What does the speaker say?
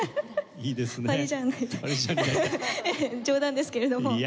冗談ですけれども。